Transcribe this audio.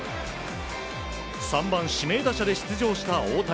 ３番指名打者で出場した大谷。